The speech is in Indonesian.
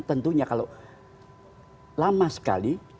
tentunya kalau lama sekali